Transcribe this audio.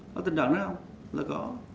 có tình trạng đó không là có